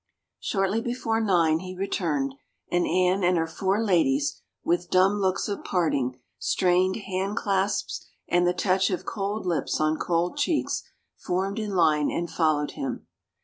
Shortly before nine he returned, and Anne and her four ladies, with dumb looks of parting, strained hand clasps and the touch of cold lips on cold cheeks, formed in line and followed him.